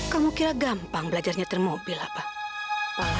kamu akan saya pecat